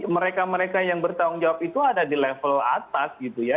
mereka mereka yang bertanggung jawab itu ada di level atas gitu ya